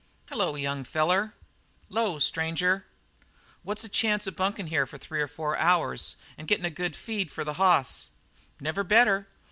"Hello, young feller." "'Lo, stranger." "What's the chance of bunking here for three or four hours and gettin' a good feed for the hoss?" "Never better.